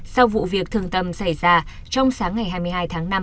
sau vụ việc thường tâm xảy ra trong sáng ngày hai mươi hai tháng năm